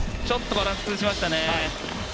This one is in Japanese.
ちょっとバランスを崩しましたね。